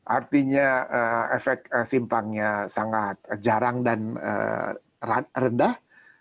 artinya efek simpangnya sangat jarang dan rendah